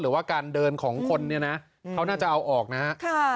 หรือว่าการเดินของคนเนี่ยนะเขาน่าจะเอาออกนะฮะ